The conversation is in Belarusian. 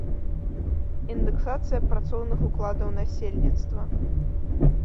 Індэксацыя працоўных укладаў насельніцтва.